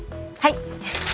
はい。